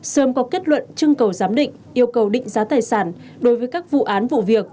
sớm có kết luận trưng cầu giám định yêu cầu định giá tài sản đối với các vụ án vụ việc